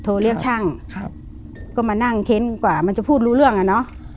โทรเรียกช่างครับก็มานั่งเค้นกว่ามันจะพูดรู้เรื่องอ่ะเนอะ